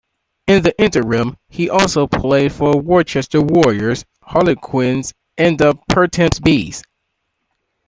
In the interim, he also played for Worcester Warriors, Harlequins, and the Pertemps Bees.